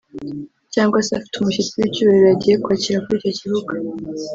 cyangwa se afite umushyitsi w’icyubahiro yagiye kwakira kuri icyo kibuga